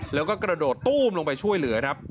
แล้วก็กระโดดตู้มลงไปช่วยเหลือครับ